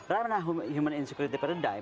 ranah human insecurity paradigm